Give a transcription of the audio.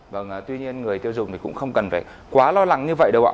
vâng tuy nhiên người tiêu dùng thì cũng không cần phải quá lo lắng như vậy đâu ạ